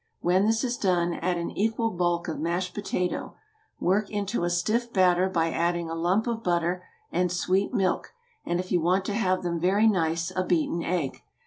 When this is done, add an equal bulk of mashed potato; work into a stiff batter by adding a lump of butter and sweet milk, and if you want to have them very nice, a beaten egg.